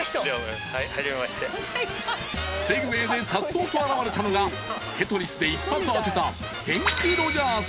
［セグウェイでさっそうと現れたのがテトリスで一発当てた］